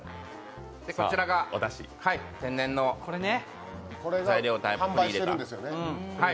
こちらげ天然の材料をたっぷり入れた。